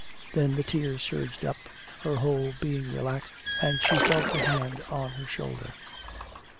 Then the tears surged up, her whole being relaxed, and she felt a hand on her shoulder.